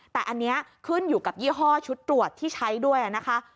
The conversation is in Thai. แต่อันนี้ขึ้นอยู่กับยี่ห้อชุดตรวจที่ใช้ด้วยนะคะ